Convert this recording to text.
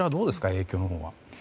影響のほうは。